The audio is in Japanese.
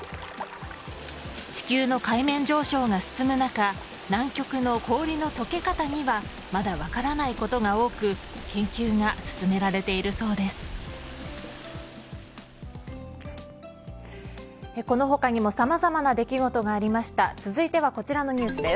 地球の海面上昇が進む中南極の氷の溶け方にはまだ分からないことが多く研究が進められているそうです。